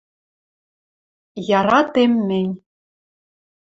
ЯРАТЕМ МӸНЬ